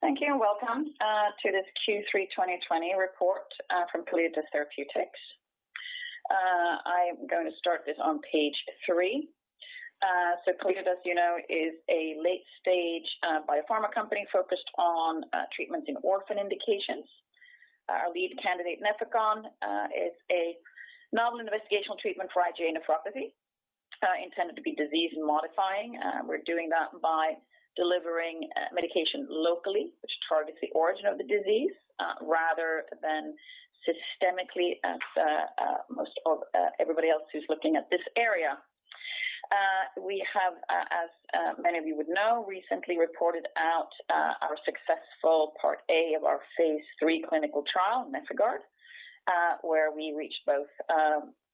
Thank you, Welcome to this Q3 2020 report from Calliditas Therapeutics. I'm going to start this on page three. Calliditas, as you know, is a late-stage biopharma company focused on treatments in orphan indications. Our lead candidate, Nefecon, is a novel investigational treatment for IgA nephropathy, intended to be disease modifying. We're doing that by delivering medication locally, which targets the origin of the disease rather than systemically as everybody else who's looking at this area. We have, as many of you would know, recently reported out our successful Part A of our phase III clinical trial, NefIgArd, where we reached both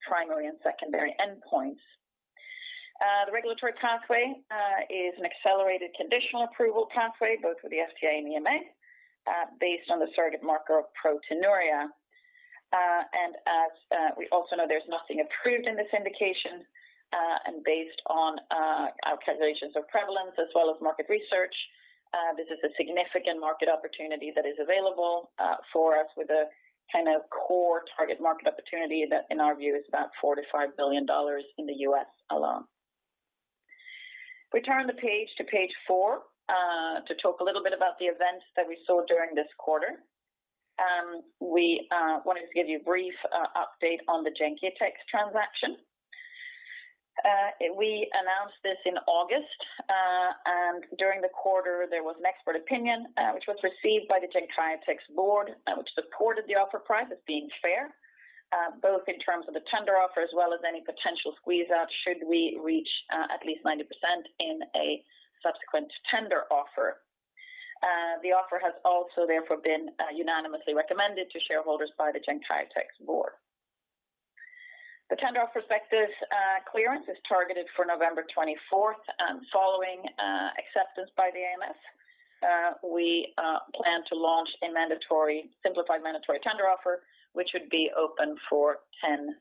primary and secondary endpoints. The regulatory pathway is an accelerated conditional approval pathway, both with the FDA and EMA, based on the surrogate marker of proteinuria. As we also know, there's nothing approved in this indication. Based on our calculations of prevalence as well as market research, this is a significant market opportunity that is available for us with a kind of core target market opportunity that, in our view, is about $4 billion-$5 billion in the U.S. alone. If we turn the page to page four, to talk a little bit about the events that we saw during this quarter. We wanted to give you a brief update on the Genkyotex transaction. We announced this in August, and during the quarter, there was an expert opinion, which was received by the Genkyotex board, which supported the offer price as being fair, both in terms of the tender offer as well as any potential squeeze out should we reach at least 90% in a subsequent tender offer. The offer has also therefore been unanimously recommended to shareholders by the Genkyotex board. The tender offer prospectus clearance is targeted for November 24th. Following acceptance by the AMF, we plan to launch a simplified mandatory tender offer, which would be open for 10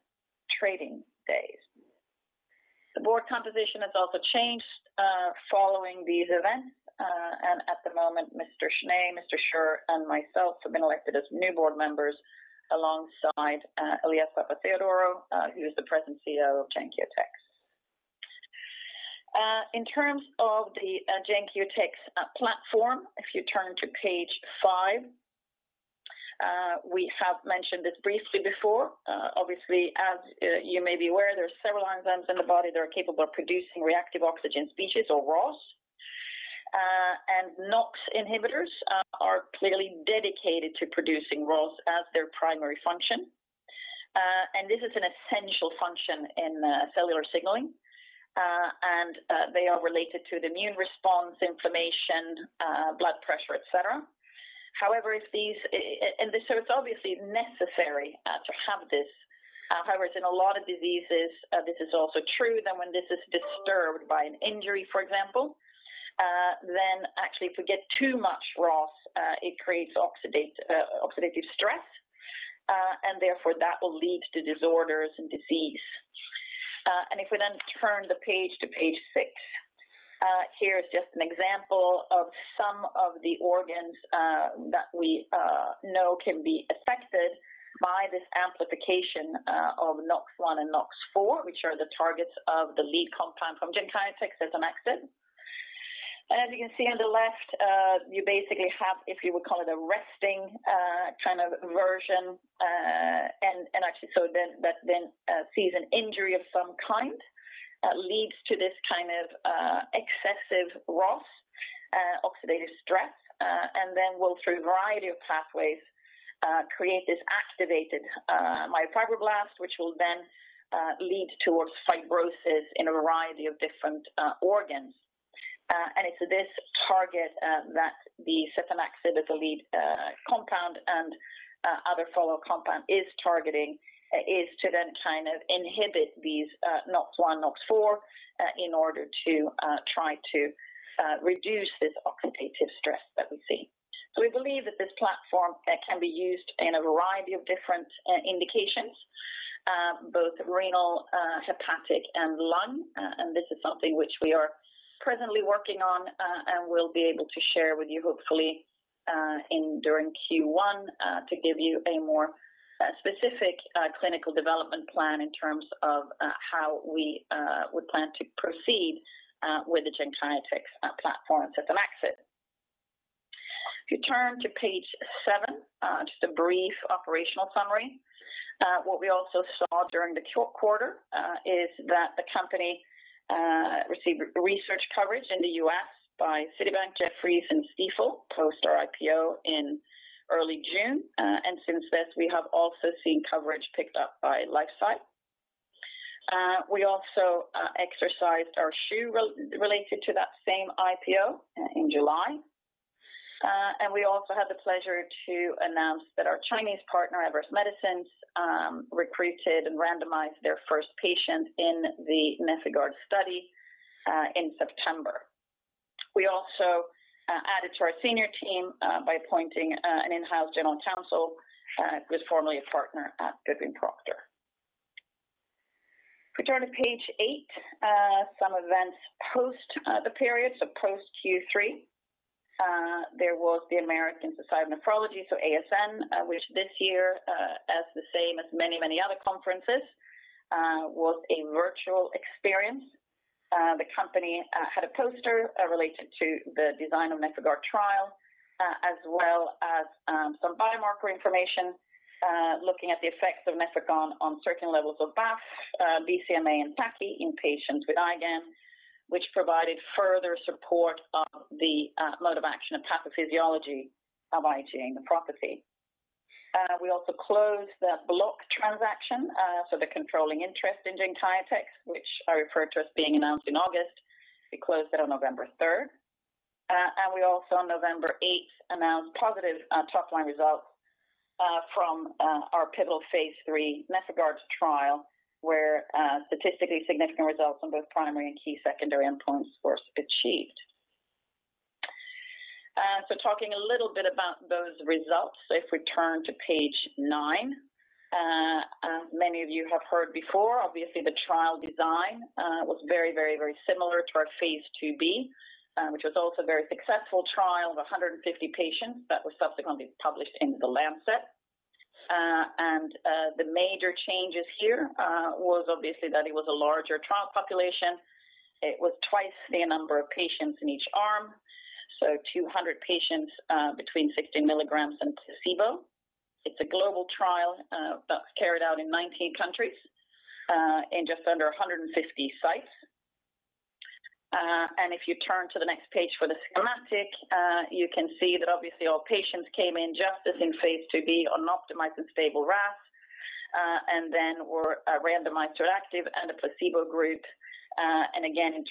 trading days. The board composition has also changed following these events. At the moment, Mr. Schnee, Mr. Schur, and myself have been elected as new board members alongside Elias Papatheodorou, who is the present CEO of Genkyotex. In terms of the Genkyotex platform, if you turn to page five. We have mentioned this briefly before. Obviously, as you may be aware, there's several enzymes in the body that are capable of producing Reactive Oxygen Species or ROS. NOX inhibitors are clearly dedicated to producing ROS as their primary function. This is an essential function in cellular signaling, and they are related to the immune response, inflammation, blood pressure, et cetera. It's obviously necessary to have this. However, in a lot of diseases, this is also true that when this is disturbed by an injury, for example, then actually if we get too much ROS, it creates oxidative stress, therefore that will lead to disorders and disease. If we then turn the page to page six. Here is just an example of some of the organs that we know can be affected by this amplification of NOX1 and NOX4, which are the targets of the lead compound from Genkyotex, setanaxib. As you can see on the left, you basically have, if you would call it, a resting kind of version, and actually that then sees an injury of some kind, leads to this kind of excessive ROS oxidative stress, and then will, through a variety of pathways, create this activated myofibroblast, which will then lead towards fibrosis in a variety of different organs. It's this target that the setanaxib as a lead compound and other follow up compound is targeting is to then kind of inhibit these NOX1, NOX4 in order to try to reduce this oxidative stress that we see. We believe that this platform can be used in a variety of different indications, both renal, hepatic, and lung. This is something which we are presently working on and will be able to share with you, hopefully, during Q1 to give you a more specific clinical development plan in terms of how we would plan to proceed with the Genkyotex platform, setanaxib. If you turn to page seven, just a brief operational summary. What we also saw during the quarter is that the company received research coverage in the U.S. by Citi, Jefferies, and Stifel, post our IPO in early June. Since this, we have also seen coverage picked up by LifeSci. We also exercised our greenshoe related to that same IPO in July. We also had the pleasure to announce that our Chinese partner, Everest Medicines, recruited and randomized their first patient in the NefIgArd study in September. We also added to our senior team by appointing an in-house general counsel who was formerly a partner at Goodwin Procter. We turn to page eight, some events post the period, so post Q3. There was the American Society of Nephrology, so ASN, which this year, as the same as many other conferences, was a virtual experience. The company had a poster related to the design of NefIgArd trial, as well as some biomarker information looking at the effects of Nefecon on certain levels of BAFF, BCMA, and TACI in patients with IgAN, which provided further support of the mode of action of pathophysiology of IgA Nephropathy. We also closed the block transaction, so the controlling interest in Genkyotex, which I referred to as being announced in August. We closed that on November 3rd. We also, on November 8th, announced positive top-line results from our pivotal phase III NefIgArd trial, where statistically significant results on both primary and key secondary endpoints were achieved. Talking a little bit about those results, if we turn to page nine. As many of you have heard before, obviously, the trial design was very similar to our phase II-B, which was also a very successful trial of 150 patients that was subsequently published in The Lancet. The major changes here was obviously that it was a larger trial population. It was twice the number of patients in each arm, so 200 patients between 16 milligrams and placebo. It's a global trial that was carried out in 19 countries in just under 150 sites. If you turn to the next page for the schematic, you can see that obviously all patients came in just as in phase II-B on optimized and stable RAS, then were randomized to active and a placebo group. Again,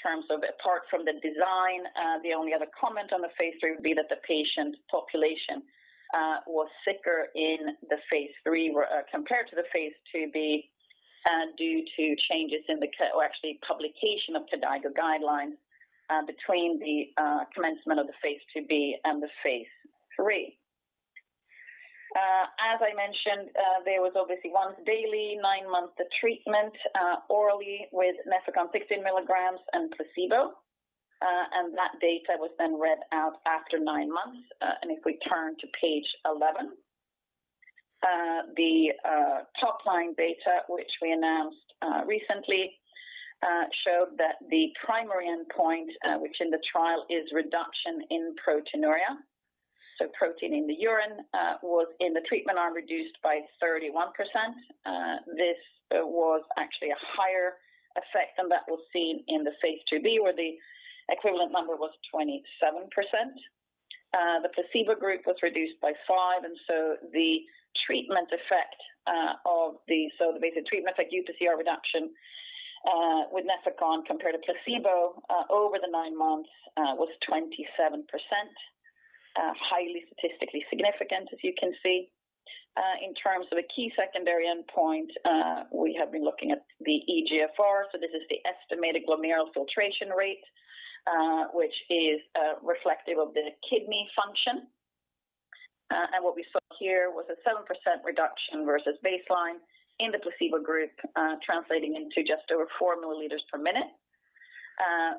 apart from the design, the only other comment on the phase III would be that the patient population was sicker in the phase III compared to the phase II-B due to changes in the or actually publication of KDIGO guidelines between the commencement of the phase II-B and the phase III. As I mentioned, there was obviously once daily, nine months of treatment orally with Nefecon 16 milligrams and placebo. That data was then read out after nine months. If we turn to page 11, the top-line data, which we announced recently, showed that the primary endpoint, which in the trial is reduction in proteinuria, so protein in the urine, was in the treatment arm reduced by 31%. This was actually a higher effect than that was seen in the phase II-B, where the equivalent number was 27%. The placebo group was reduced by five, the treatment effect, so the basic treatment effect, uPCR reduction with Nefecon compared to placebo over the nine months was 27%. Highly statistically significant, as you can see. In terms of a key secondary endpoint, we have been looking at the eGFR. This is the estimated glomerular filtration rate, which is reflective of the kidney function. What we saw here was a 7% reduction versus baseline in the placebo group, translating into just over 4 mL per minute,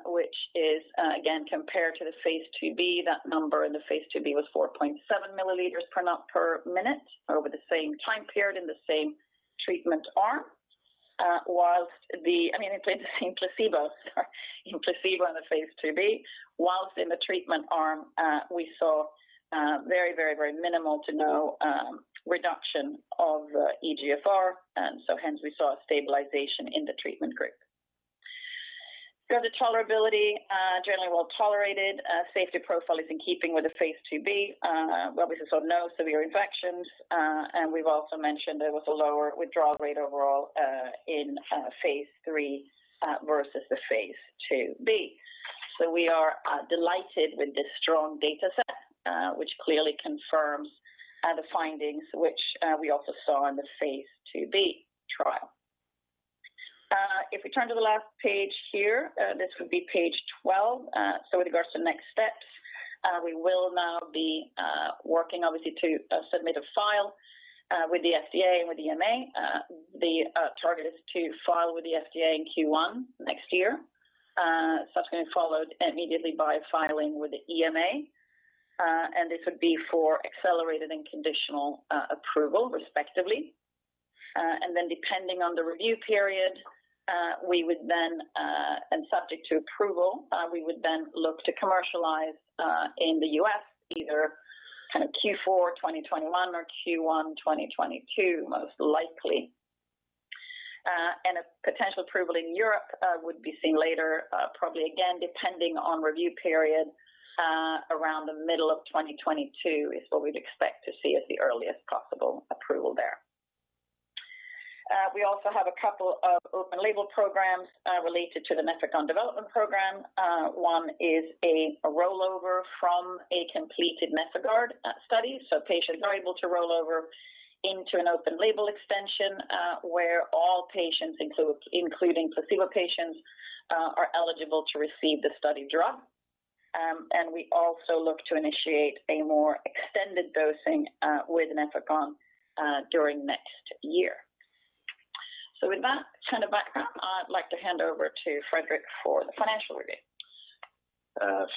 which is, again, compared to the phase II-B, that number in the phase II-B was 4.7 mL per minute over the same time period in the same treatment arm. I mean, in placebo, sorry. In placebo in the phase II-B, whilst in the treatment arm, we saw very minimal to no reduction of eGFR. Hence we saw a stabilization in the treatment group. Regarding tolerability, generally well-tolerated. Safety profile is in keeping with the phase II-B. Obviously, saw no severe infections. We've also mentioned there was a lower withdrawal rate overall in phase III versus the phase II-B. We are delighted with this strong data set, which clearly confirms the findings, which we also saw in the phase II-B trial. We turn to the last page here, this would be page 12. With regards to next steps, we will now be working obviously to submit a file with the FDA and with EMA. The target is to file with the FDA in Q1 next year, subsequently followed immediately by filing with the EMA. This would be for accelerated and conditional approval, respectively. Depending on the review period, and subject to approval, we would then look to commercialize in the U.S. either kind of Q4 2021 or Q1 2022, most likely. A potential approval in Europe would be seen later, probably, again, depending on review period, around the middle of 2022 is what we'd expect to see as the earliest possible approval there. We also have two open label programs related to the Nefecon development program. One is a rollover from a completed NefIgArd phase III trial. Patients are able to roll over into an open label extension, where all patients, including placebo patients, are eligible to receive the study drug. We also look to initiate a more extended dosing with Nefecon during next year. With that kind of background, I'd like to hand over to Fredrik for the financial review.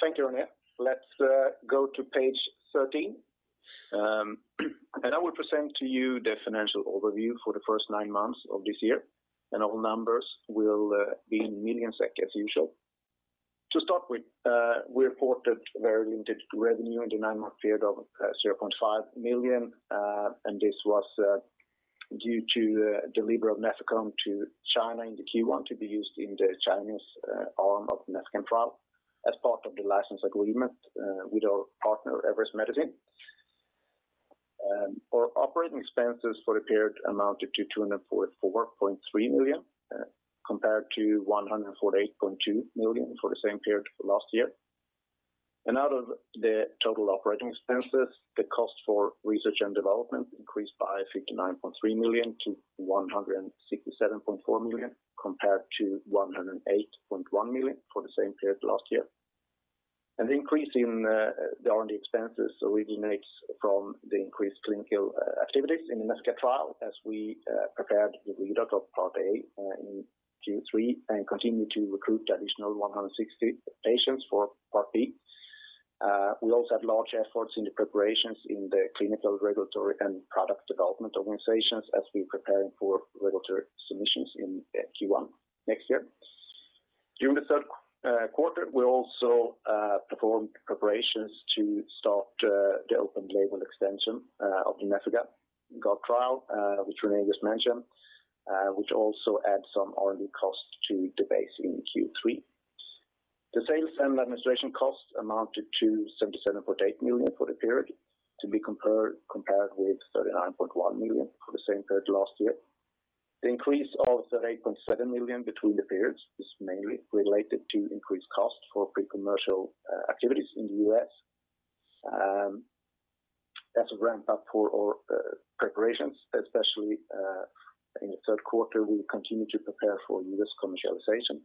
Thank you, Renée. Let's go to page 13. I will present to you the financial overview for the first nine months of this year. All numbers will be in millions SEK, as usual. To start with, we reported very limited revenue in the nine-month period of 0.5 million. This was due to delivery of Nefecon to China in the Q1 to be used in the Chinese arm of the [Nefecon] trial as part of the license agreement with our partner, Everest Medicines. Our operating expenses for the period amounted to 244.3 million, compared to 148.2 million for the same period for last year. Out of the total operating expenses, the cost for research and development increased by 59.3 million to 167.4 million, compared to 108.1 million for the same period last year. The increase in the R&D expenses originates from the increased clinical activities in the NefIgArd trial as we prepared the readout of Part A in Q3 and continue to recruit additional 160 patients for Part B. We also had large efforts in the preparations in the clinical regulatory and product development organizations as we're preparing for regulatory submissions in Q1 next year. During the third quarter, we also performed preparations to start the open label extension of the NefIgArd trial which Renée just mentioned, which also adds some R&D costs to the base in Q3. The sales and administration costs amounted to 77.8 million for the period, to be compared with 39.1 million for the same period last year. The increase of 38.7 million between the periods is mainly related to increased costs for pre-commercial activities in the U.S. as a ramp-up for our preparations, especially in the third quarter, we continue to prepare for U.S. commercialization.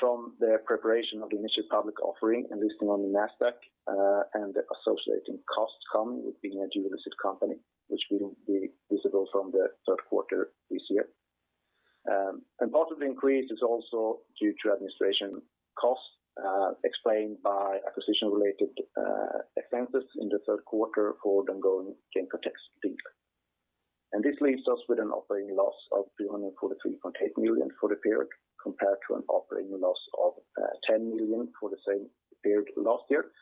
From the preparation of the initial public offering and listing on the Nasdaq, and the associating costs coming with being a dual listed company, which will be visible from the third quarter this year. Part of the increase is also due to administration costs explained by acquisition-related expenses in the third quarter for the ongoing Genkyotex deal. This leaves us with an operating loss of 343.8 million for the period compared to an operating loss of 10 million for the same period last year.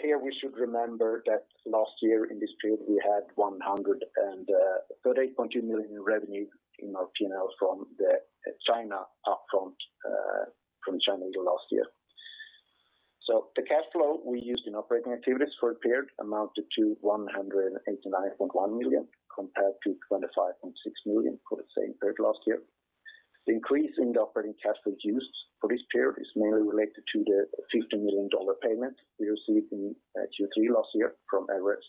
Here we should remember that last year in this period, we had 138.2 million in revenue in our P&L from the China upfront from China in the last year. The cash flow we used in operating activities for the period amounted to 189.1 million compared to 25.6 million for the same period last year. The increase in the operating cash flows used for this period is mainly related to the $15 million payment we received in Q3 last year from Everest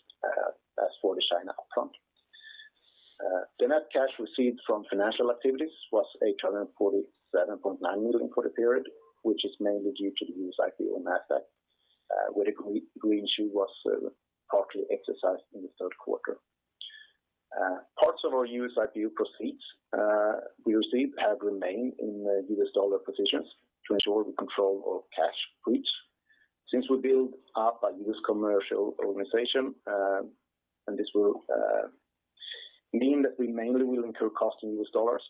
as for the China upfront. The net cash received from financial activities was 847.9 million for the period, which is mainly due to the U.S. IPO Nasdaq where the greenshoe was partly exercised in the third quarter. Parts of our U.S. IPO proceeds we received have remained in the U.S. dollar positions to ensure the control of cash flows. Since we build up a U.S. commercial organization, and this will mean that we mainly will incur costs in U.S. dollars,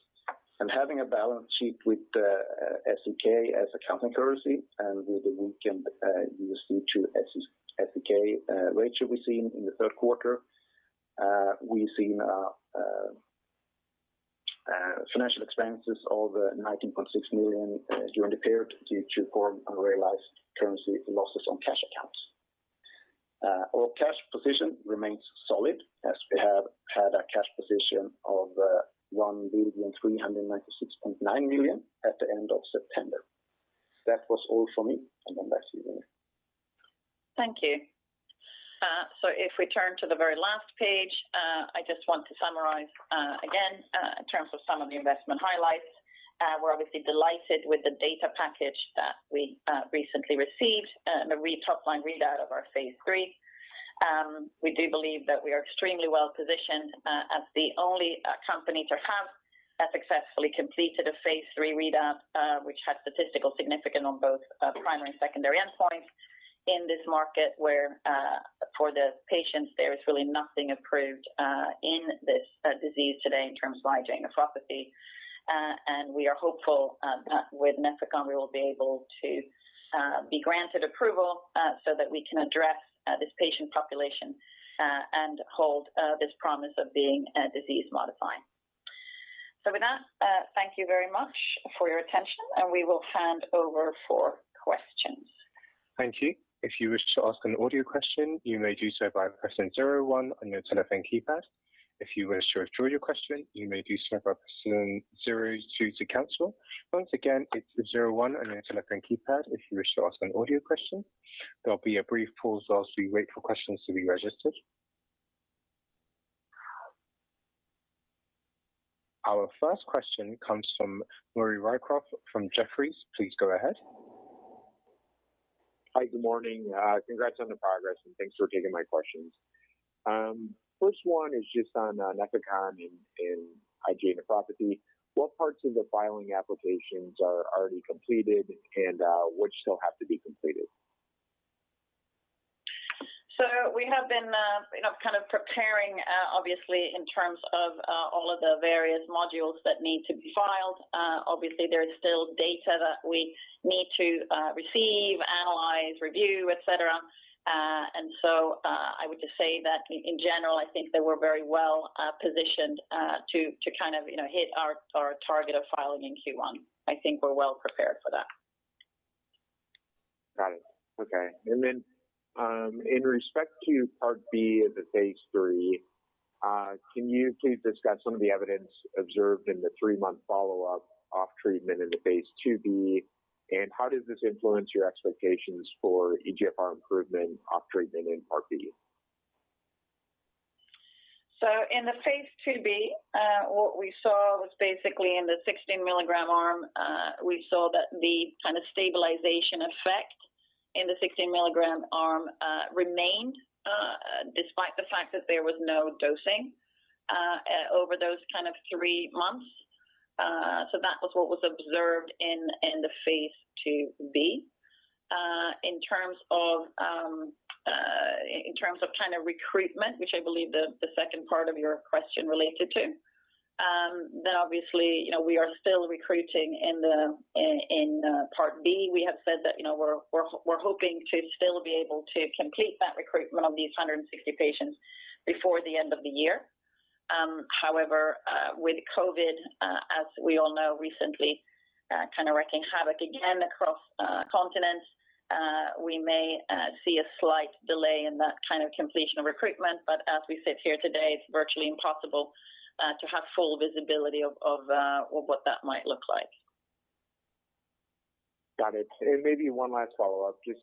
and having a balance sheet with SEK as accounting currency and with the weakened USD to SEK ratio we've seen in the third quarter. We've seen financial expenses of 19.6 million during the period due to foreign unrealized currency losses on cash accounts. Our cash position remains solid as we have had a cash position of 1,396.9 million at the end of September. That was all from me. Then back to you, Renée. Thank you. If we turn to the very last page, I just want to summarize again in terms of some of the investment highlights. We're obviously delighted with the data package that we recently received, the top-line readout of our phase III. We do believe that we are extremely well-positioned as the only company to have successfully completed a phase III readout which had statistical significance on both primary and secondary endpoints in this market where for the patients, there is really nothing approved in this disease today in terms of IgA Nephropathy. We are hopeful that with Nefecon, we will be able to be granted approval so that we can address this patient population and hold this promise of being disease-modifying. With that, thank you very much for your attention, and we will hand over for questions. Thank you. If you wish to ask an audio question, you may do so by pressing zero one on your telephone keypad. If you wish to withdraw your question, you may do so by pressing zero two to cancel. Once again, it's zero one on your telephone keypad if you wish to ask an audio question. There'll be a brief pause while we wait for questions to be registered. Our first question comes from Maury Raycroft from Jefferies. Please go ahead. Hi, good morning. Congrats on the progress, thanks for taking my questions. First one is just on Nefecon in IgA Nephropathy. What parts of the filing applications are already completed and which still have to be completed? We have been preparing, obviously, in terms of all of the various modules that need to be filed. Obviously, there is still data that we need to receive, analyze, review, et cetera. I would just say that in general, I think that we're very well positioned to hit our target of filing in Q1. I think we're well prepared for that. Got it. Okay. In respect to Part B of the phase III, can you please discuss some of the evidence observed in the three-month follow-up off treatment in the phase II-B, and how does this influence your expectations for eGFR improvement off treatment in Part B? In the phase II-B, what we saw was basically in the 16 milligram arm, we saw that the kind of stabilization effect in the 16 milligram arm remained despite the fact that there was no dosing over those three months. In terms of recruitment, which I believe the second part of your question related to, obviously, we are still recruiting in Part B. We have said that we're hoping to still be able to complete that recruitment of these 160 patients before the end of the year. However, with COVID, as we all know, recently kind of wreaking havoc again across continents, we may see a slight delay in that completion of recruitment. As we sit here today, it's virtually impossible to have full visibility of what that might look like. Got it. Maybe one last follow-up. Just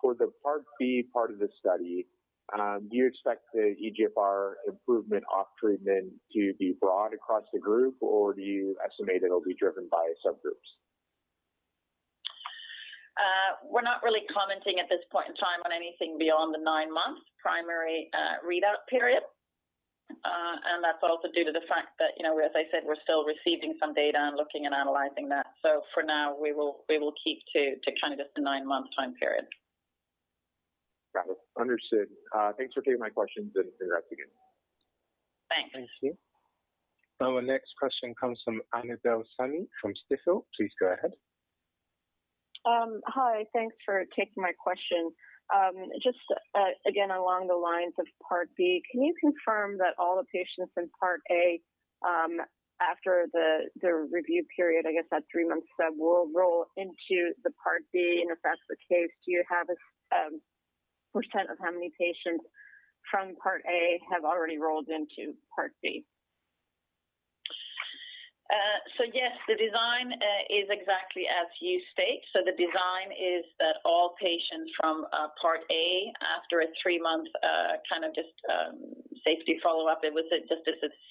for the Part B part of the study, do you expect the eGFR improvement off treatment to be broad across the group, or do you estimate it'll be driven by subgroups? We're not really commenting at this point in time on anything beyond the nine-month primary readout period. That's also due to the fact that, as I said, we're still receiving some data and looking and analyzing that. For now, we will keep to just the nine-month time period. Got it. Understood. Thanks for taking my questions. Thanks. Thank you. Our next question comes from Annabel Samy from Stifel. Please go ahead. Hi, thanks for taking my question. Just, again, along the lines of Part B, can you confirm that all the patients in Part A after the review period, I guess that three months said, will roll into the Part B? If that's the case, do you have a percentage of how many patients from Part A have already rolled into Part B? Yes, the design is exactly as you state. The design is that all patients from Part A, after a three-month safety follow-up, it was just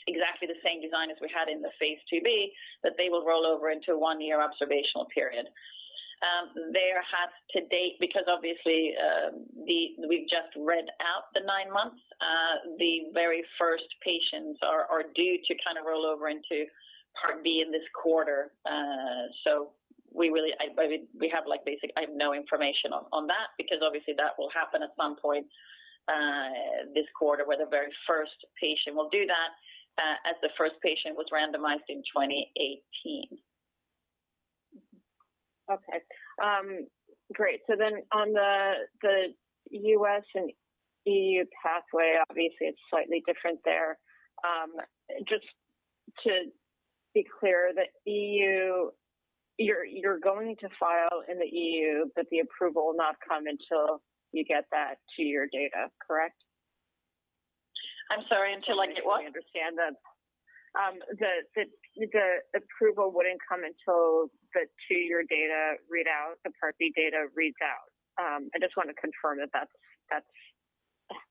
exactly the same design as we had in the phase II-B, that they will roll over into a one-year observational period. There has to date, because obviously, we've just read out the nine months, the very first patients are due to roll over into Part B in this quarter. I have no information on that because obviously that will happen at some point this quarter, where the very first patient will do that as the first patient was randomized in 2018. Okay. Great. On the US and EU pathway, obviously it's slightly different there. Just to be clear, the EU, you're going to file in the EU, but the approval will not come until you get that two-year data, correct? I'm sorry, until what? I think you understand that the approval wouldn't come until the two-year data readout, the Part B data reads out. I just want to confirm that that's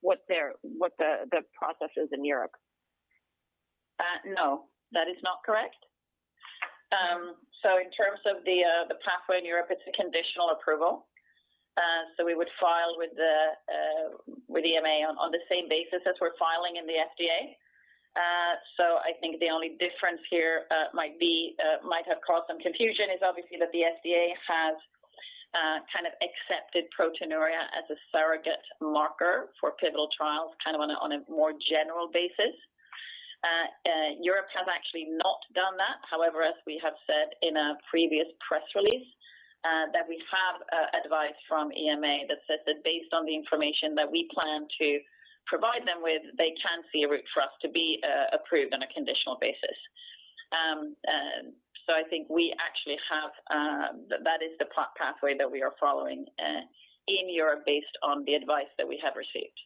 what the process is in Europe. No, that is not correct. In terms of the pathway in Europe, it's a conditional approval. We would file with EMA on the same basis as we're filing in the FDA. I think the only difference here might have caused some confusion is obviously that the FDA has accepted proteinuria as a surrogate marker for pivotal trials on a more general basis. Europe has actually not done that. However, as we have said in a previous press release, that we have advice from EMA that says that based on the information that we plan to provide them with, they can see a route for us to be approved on a conditional basis. I think that is the pathway that we are following in Europe based on the advice that we have received.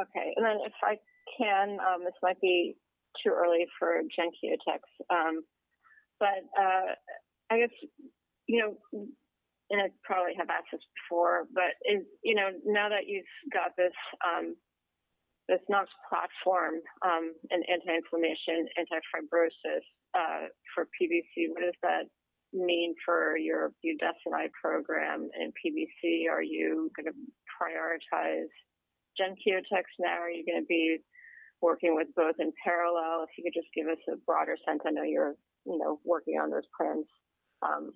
Okay. If I can, this might be too early for Genkyotex. I guess, and I probably have asked this before, but now that you've got this NOX platform in anti-inflammation, anti-fibrosis for PBC, what does that mean for your budesonide program in PBC? Are you going to prioritize Genkyotex now? Are you going to be working with both in parallel? If you could just give us a broader sense. I know you're working on those plans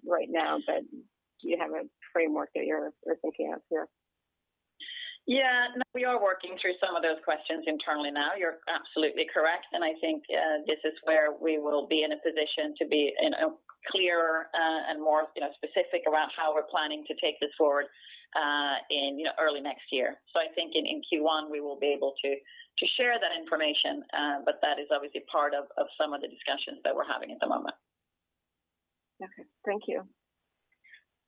right now, but do you have a framework that you're thinking of here? Yeah. No, we are working through some of those questions internally now. You're absolutely correct. I think this is where we will be in a position to be clearer and more specific around how we're planning to take this forward in early next year. I think in Q1, we will be able to share that information. That is obviously part of some of the discussions that we're having at the moment. Okay. Thank you.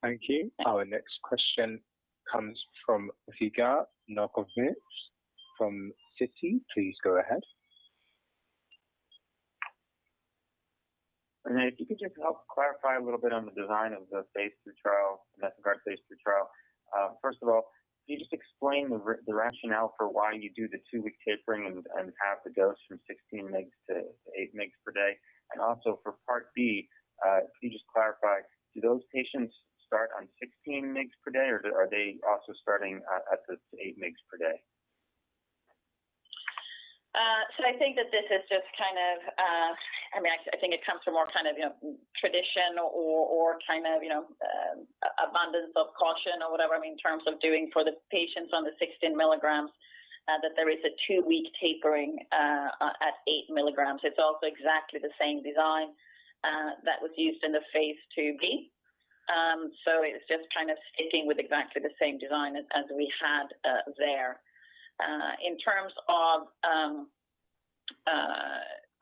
Thank you. Our next question comes from Yigal Nochomovitz from Citi. Please go ahead. If you could just help clarify a little bit on the design of the phase II trial, the method of our phase II trial. First of all, can you just explain the rationale for why you do the two-week tapering and half the dose from 16 mg to 8 mg per day? For Part B, can you just clarify, do those patients start on 16 mg per day, or are they also starting at the 8 mg per day? I think it comes from more tradition or abundance of caution or whatever, in terms of doing for the patients on the 16 milligrams, that there is a two-week tapering at eight milligrams. It's also exactly the same design that was used in the phase II-B. It's just sticking with exactly the same design as we had there. In terms of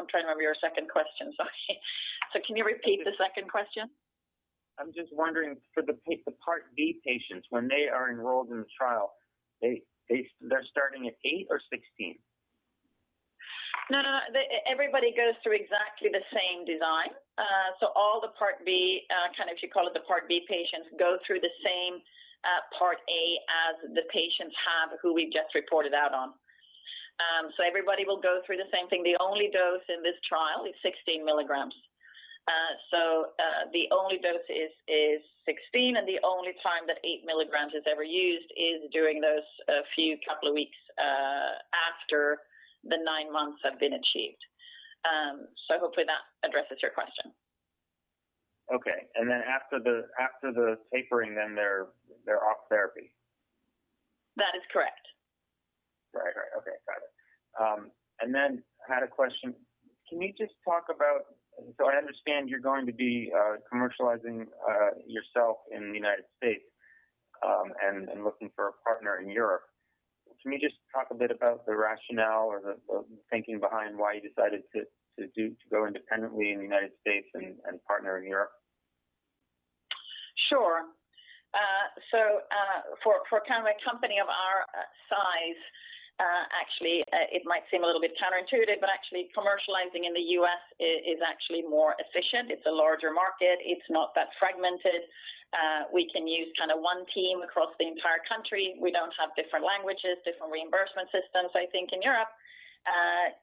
I'm trying to remember your second question. Sorry. Can you repeat the second question? I'm just wondering for the Part B patients, when they are enrolled in the trial, they're starting at eight or 16? No. Everybody goes through exactly the same design. All the Part B, if you call it the Part B patients, go through the same Part A as the patients have, who we've just reported out on. Everybody will go through the same thing. The only dose in this trial is 16 milligrams. The only dose is 16, and the only time that eight milligrams is ever used is during those few couple of weeks after the nine months have been achieved. Hopefully that addresses your question. Okay. After the tapering, then they're off therapy. That is correct. Right. Okay. Got it. I had a question. I understand you're going to be commercializing yourself in the U.S. and looking for a partner in Europe. Can you just talk a bit about the rationale or the thinking behind why you decided to go independently in the U.S. and partner in Europe? Sure. For a company of our size, actually, it might seem a little bit counterintuitive, but actually commercializing in the U.S. is actually more efficient. It's a larger market. It's not that fragmented. We can use one team across the entire country. We don't have different languages, different reimbursement systems. I think in Europe,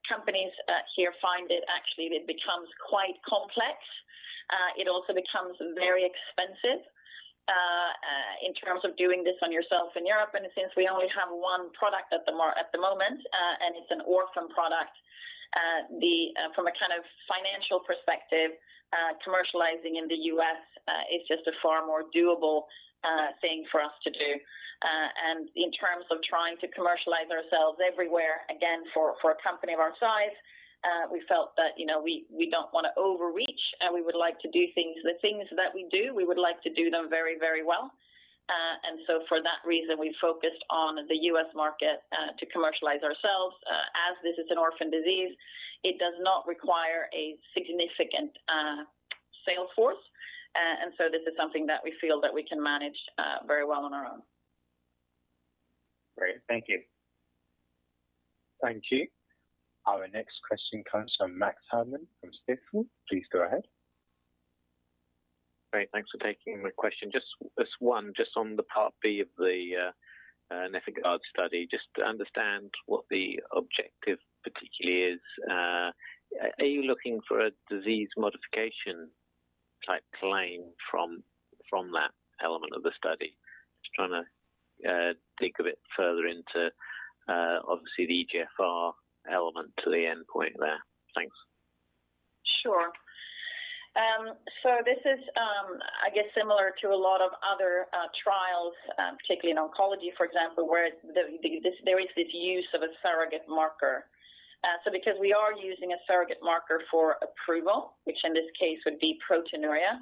companies here find it actually becomes quite complex. It also becomes very expensive in terms of doing this by yourself in Europe. Since we only have one product at the moment, and it's an orphan product, from a financial perspective, commercializing in the U.S. is just a far more doable thing for us to do. In terms of trying to commercialize ourselves everywhere, again, for a company of our size, we felt that we don't want to overreach, and we would like to do the things that we do, we would like to do them very well. For that reason, we focused on the U.S. market to commercialize ourselves. As this is an orphan disease, it does not require a significant sales force. This is something that we feel that we can manage very well on our own. Great. Thank you. Thank you. Our next question comes from Max Herrmann from Stifel. Please go ahead. Great. Thanks for taking my question. Just one, just on the Part B of the NefIgArd study, just to understand what the objective particularly is. Are you looking for a disease modification-type claim from that element of the study? Just trying to dig a bit further into, obviously, the eGFR element to the endpoint there. Thanks. Sure. This is, I guess, similar to a lot of other trials, particularly in oncology, for example, where there is this use of a surrogate marker. Because we are using a surrogate marker for approval, which in this case would be proteinuria,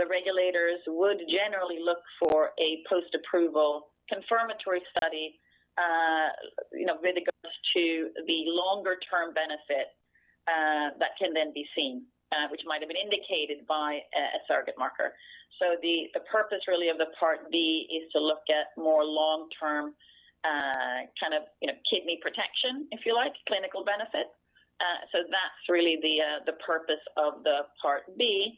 the regulators would generally look for a post-approval confirmatory study, where it goes to the longer-term benefit that can then be seen, which might have been indicated by a surrogate marker. The purpose really of the Part B is to look at more long-term kidney protection, if you like, clinical benefit. That's really the purpose of the Part B,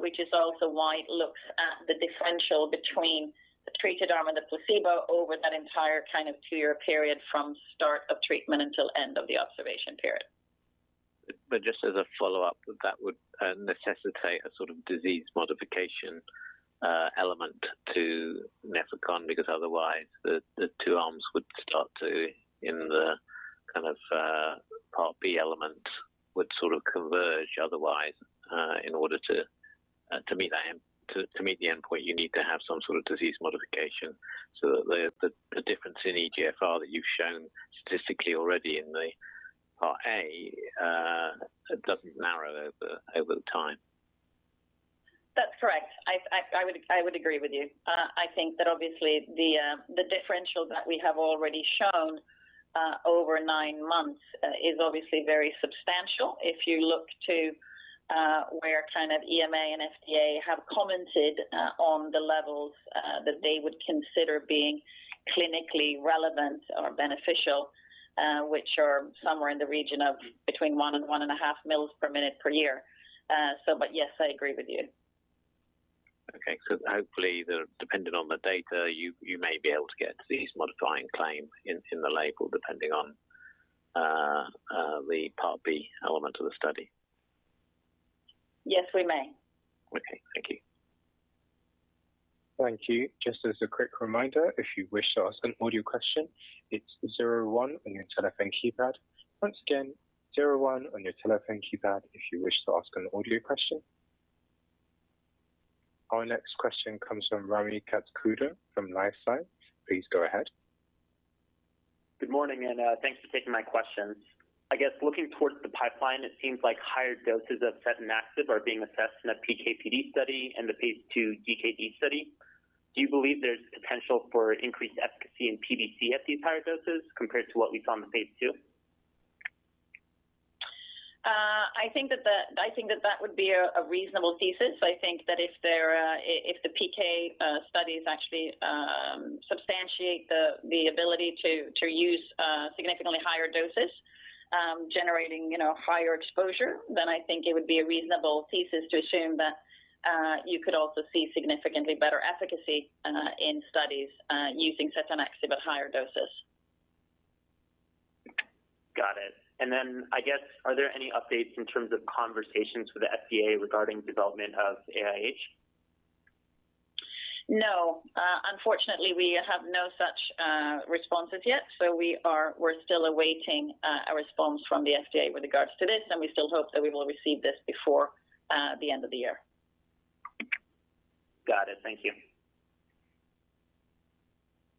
which is also why it looks at the differential between the treated arm and the placebo over that entire two-year period from start of treatment until end of the observation period. Just as a follow-up, that would necessitate a disease modification element to Nefecon, because otherwise the two arms would start to, in the Part B element, would converge otherwise. In order to meet the endpoint, you need to have some disease modification so that the difference in eGFR that you've shown statistically already in the Part A doesn't narrow over time. That's correct. I would agree with you. I think that obviously the differential that we have already shown over nine months is obviously very substantial. If you look to where EMA and FDA have commented on the levels that they would consider being clinically relevant or beneficial, which are somewhere in the region of between 1 and 1.5 mils per minute per year. Yes, I agree with you. Okay. Hopefully, depending on the data, you may be able to get disease-modifying claim in the label, depending on the Part B element of the study. Yes, we may. Okay. Thank you. Thank you. Just a quick reminder, if you wish to ask a question, it's zero one in your telephone keypad. Again, zero one in your telephone keypad if yo wish to ask a follow-up question. Our next question comes from Rami Katkhuda from LifeSci. Please go ahead. Good morning. Thanks for taking my questions. I guess looking towards the pipeline, it seems like higher doses of setanaxib are being assessed in a PK/PD study and the phase II DKD study. Do you believe there's potential for increased efficacy in PBC at these higher doses compared to what we saw in the phase II? I think that that would be a reasonable thesis. I think that if the PK studies actually substantiate the ability to use significantly higher doses generating higher exposure, then I think it would be a reasonable thesis to assume that you could also see significantly better efficacy in studies using setanaxib at higher doses. Got it. I guess, are there any updates in terms of conversations with the FDA regarding development of AIH? No. Unfortunately we have no such responses yet, so we're still awaiting a response from the FDA with regards to this, and we still hope that we will receive this before the end of the year. Got it. Thank you.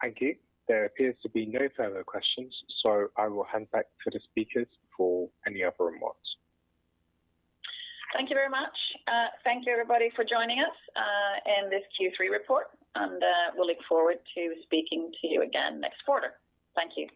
Thank you. There appears to be no further questions, so I will hand back to the speakers for any other remarks. Thank you very much. Thank you everybody for joining us in this Q3 report, and we'll look forward to speaking to you again next quarter. Thank you.